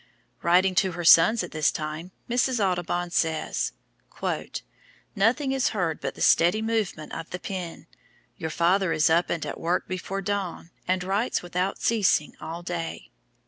Writing to her sons at this time, Mrs. Audubon says: "Nothing is heard but the steady movement of the pen; your father is up and at work before dawn, and writes without ceasing all day."